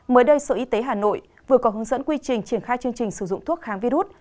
mới đây sở y tế hà nội vừa có hướng dẫn quy trình triển khai chương trình sử dụng thuốc kháng virus